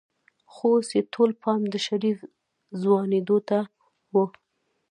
خو اوس يې ټول پام د شريف ځوانېدو ته و.